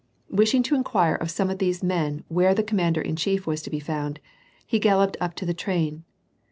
Wishing to inquire of some of these inen where the com roaader in chief was to be found, he galloped up to the train.